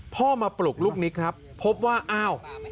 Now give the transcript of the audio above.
พ่อมาปลุกลูกนิกครับพบว่าอ้าว